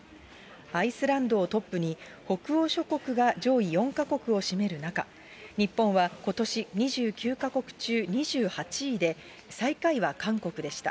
アイスランドをトップに、北欧諸国が上位４か国を占める中、日本はことし２９か国中２８位で、最下位は韓国でした。